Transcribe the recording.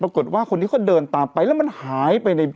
ปรากฏว่าคนนี้เขาเดินตามไปแล้วมันหายไปใน